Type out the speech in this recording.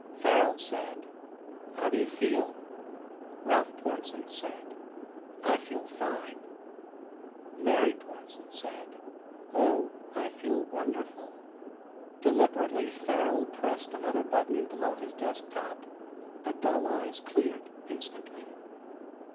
Farrel said, "How do you feel?" Ralph Pornsen said, "I feel fine." Mary Pornsen said, "Oh, I feel wonderful!" Deliberately Farrel pressed another button below his desk top. The dull eyes cleared instantly.